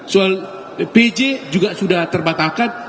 soal pj juga sudah terbatalkan